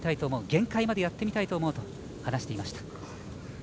限界までやってみたいと思うと話していました。